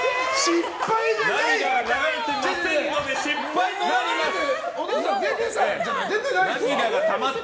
失敗じゃないって！